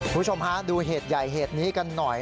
คุณผู้ชมฮะดูเหตุใหญ่เหตุนี้กันหน่อย